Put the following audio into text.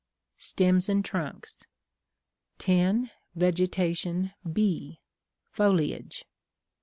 Stems and Trunks. 10. Vegetation (B.) Foliage.